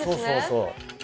そうそう。